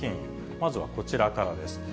まずはこちらからです。